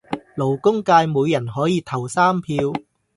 勞工界每人可以投三票